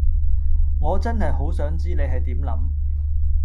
我真係好想知你係點諗